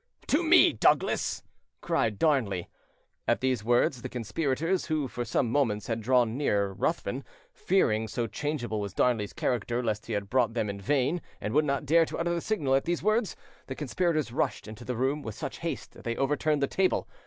"To me, Douglas!" cried Darnley. At these words, the conspirators, who for some moments had drawn nearer Ruthven, fearing, so changeable was Darnley's character, lest he had brought them in vain and would not dare to utter the signal—at these words, the conspirators rushed into the room with such haste that they overturned the table.